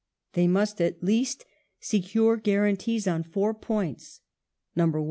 They must at least secure guarantees on four points :— 1.